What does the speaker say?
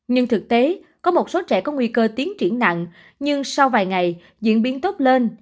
nhưng thực tế có một số trẻ có nguy cơ tiến triển nặng nhưng sau vài ngày diễn biến tốt lên